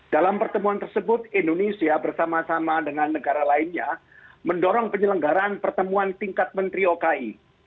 dalam pertemuan tersebut indonesia bersama sama dengan negara lainnya mendorong penyelenggaraan pertemuan tingkat menteri oki